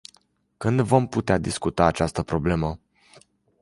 Când vom putea discuta această problemă?